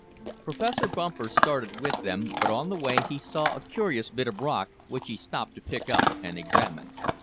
Professor Bumper started with them, but on the way he saw a curious bit of rock which he stopped to pick up and examine.